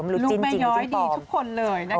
ลูกแม่ย้อยดีทุกคนเลยนะคะ